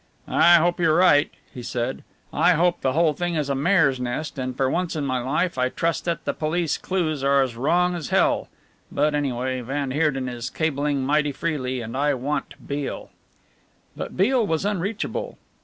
"I hope you're right," he said. "I hope the whole thing is a mare's nest and for once in my life I trust that the police clues are as wrong as hell. But, anyway, van Heerden is cabling mighty freely and I want Beale!" But Beale was unreachable.